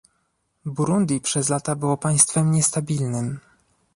Burundi przez lata było państwem niestabilnym